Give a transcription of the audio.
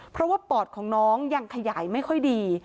เพราะว่าปอดของน้องยังขยายไม่ค่อยดี